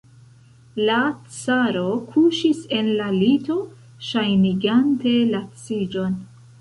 La caro kuŝis en la lito, ŝajnigante laciĝon.